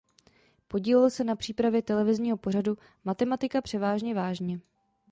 Podílel se na přípravě televizního pořadu "Matematika převážně vážně".